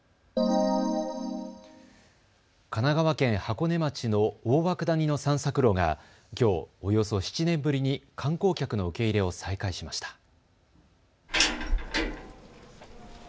神奈川県箱根町の大涌谷の散策路がきょう、およそ７年ぶりに観光客の受け入れを再開しました。